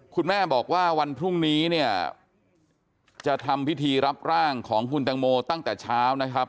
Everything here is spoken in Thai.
คุณแม่บอกว่าวันพรุ่งนี้เนี่ยจะทำพิธีรับร่างของคุณแตงโมตั้งแต่เช้านะครับ